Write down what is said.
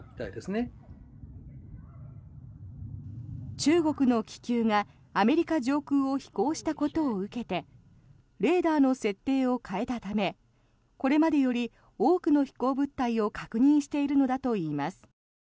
中国の気球がアメリカ上空を飛行したことを受けてレーダーの設定を変えたためこれまでより多くの飛行物体を確認しているのだといいます。